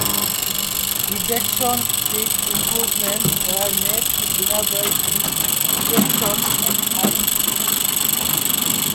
Ejection seat improvements were made to enable ejections at high speed.